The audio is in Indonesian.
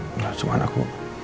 enggak cuma aku